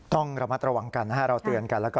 ต้องระมัดระวังกันนะฮะเราเตือนกัน